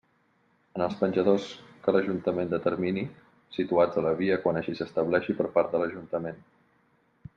En els penjadors que l'ajuntament determini, situats a la via quan així s'estableixi per part de l'Ajuntament.